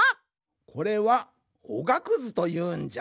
これはおがくずというんじゃ。